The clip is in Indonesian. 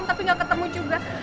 tapi gak ketemu juga